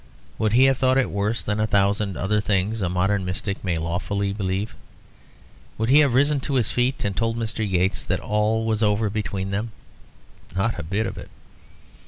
Would he have thought it worse than a thousand other things that a modern mystic may lawfully believe? Would he have risen to his feet and told Mr. Yeats that all was over between them? Not a bit of it.